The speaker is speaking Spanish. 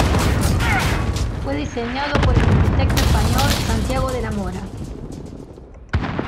Fue diseñado por el arquitecto español Santiago de la Mora.